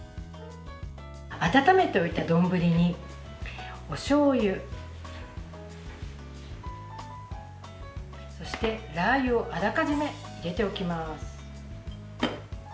温めておいたどんぶりにおしょうゆそして、ラー油をあらかじめ入れておきます。